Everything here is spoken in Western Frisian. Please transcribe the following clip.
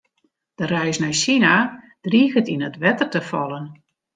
De reis nei Sina driget yn it wetter te fallen.